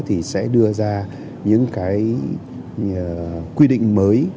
thì sẽ đưa ra những quy định mới